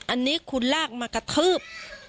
อันนี้คุณลากมากระทืบ